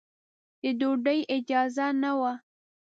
د ډوډۍ اجازه نه وه.